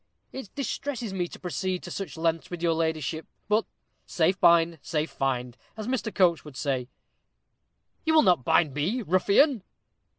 It distresses me to proceed to such lengths with your ladyship but safe bind, safe find, as Mr. Coates would say." "You will not bind me, ruffian."